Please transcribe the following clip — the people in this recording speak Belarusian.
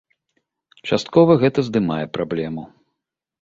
Часткова гэта здымае праблему.